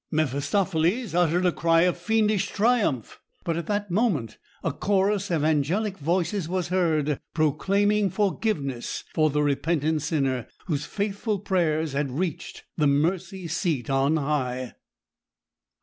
Mephistopheles uttered a cry of fiendish triumph; but at that moment a chorus of angelic voices was heard proclaiming forgiveness for the repentant sinner, whose faithful prayers had reached the Mercy Seat on High.